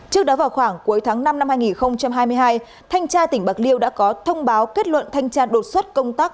trước đó vào khoảng cuối tháng năm năm hai nghìn hai mươi hai thanh tra tỉnh bạc liêu đã có thông báo kết luận thanh tra đột xuất công tác